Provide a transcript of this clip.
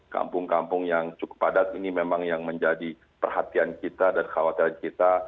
kampung kampung yang cukup padat ini memang yang menjadi perhatian kita dan khawatiran kita